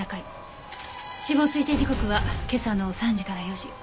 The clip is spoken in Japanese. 死亡推定時刻は今朝の３時から４時。